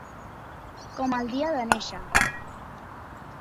Com el dia de néixer.